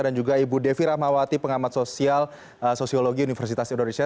dan juga ibu devi rahmawati pengamat sosial sosiologi universitas indonesia